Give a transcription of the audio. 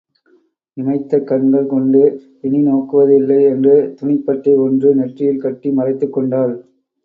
இமைத்த கண்கள் கொண்டு இனி நோக்குவது இல்லை என்று துணிப்பட்டை ஒன்று நெற்றியில் கட்டி மறைத்துக் கொண்டாள்.